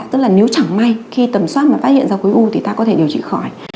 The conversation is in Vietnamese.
tức là nếu chẳng may khi tầm soát mà phát hiện ra khối u thì ta có thể điều trị khỏi